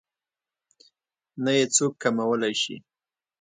نه يې څوک کمولی شي.